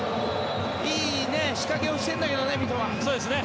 いい仕掛けをしているんだけどね、三笘。